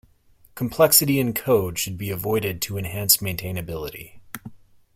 Complexity in code should be avoided to enhance maintainability.